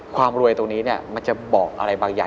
ความรวยตรงนี้มันจะบอกอะไรบางอย่าง